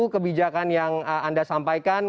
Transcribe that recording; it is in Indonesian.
kebijakan yang anda sampaikan